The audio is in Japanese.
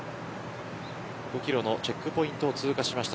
５キロのチェックポイントを通過しました